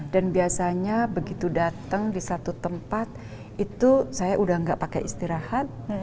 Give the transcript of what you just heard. dan biasanya begitu datang di satu tempat itu saya udah nggak pakai istirahat